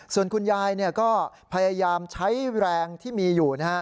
ส่วนคุณยายก็พยายามใช้แรงที่มีอยู่